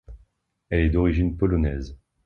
Elle est d'origine polonaise.